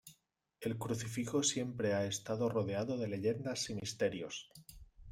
El Crucifijo siempre ha estado rodeado de leyendas y misterios.